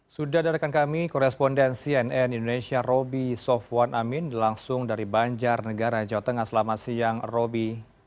sudah ada rekan kami korespondensi nn indonesia roby sofwan amin langsung dari banjar negara jawa tengah selamat siang roby